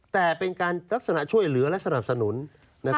แต่เป็นการลักษณะช่วยเหลือและสนับสนุน